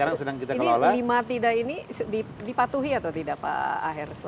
nah ini lima ini dipatuhi atau tidak pak